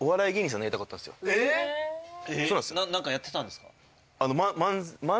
もともと。何かやってたんですか？